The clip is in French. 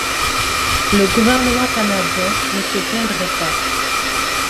Le gouvernement canadien ne se plaindrait pas.